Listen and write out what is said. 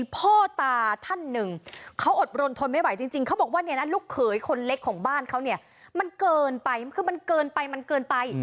พ่อตาท่านหนึ่งเขาอดรนทนไม่ไหวจริงเขาบอกว่าเนี่ยนะลูกเขยคนเล็กของบ้านเขาเนี่ยมันเกินไปคือมันเกินไปมันเกินไป